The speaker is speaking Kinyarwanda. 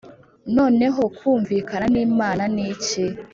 Noneho kumvikana n'Imana n'iki?